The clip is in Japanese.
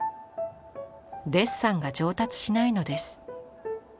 デッサンが上達しないのです。